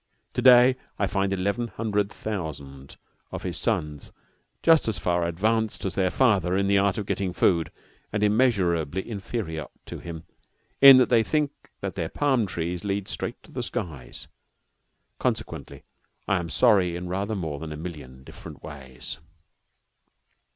To day I find eleven hundred thousand of his sons just as far advanced as their father in the art of getting food, and immeasurably inferior to him in that they think that their palm trees lead straight to the skies. Consequently, I am sorry in rather more than a million different ways.